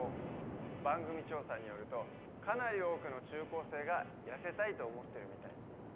番組調査によるとかなり多くの中高生がやせたいと思ってるみたい。